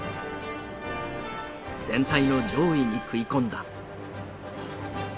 全体の上位に食い込んだ。